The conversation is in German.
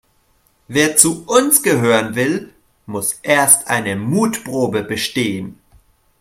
Wer zu uns gehören will, muss erst eine Mutprobe bestehen.